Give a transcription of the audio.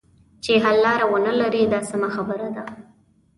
چې حل لاره ونه لري دا سمه خبره ده.